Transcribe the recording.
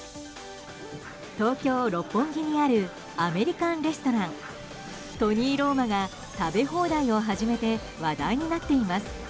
東京・六本木にあるアメリカンレストラントニーローマが食べ放題を始めて話題になっています。